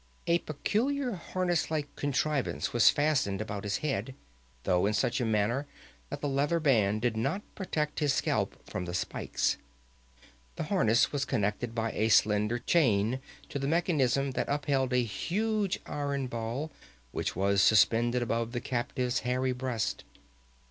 A peculiar harness like contrivance was fastened about his head, though in such a manner that the leather band did not protect his scalp from the spikes. This harness was connected by a slender chain to the mechanism that upheld a huge iron ball which was suspended above the captive's hairy breast.